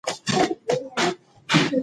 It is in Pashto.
ځینې خلک مستې خوري.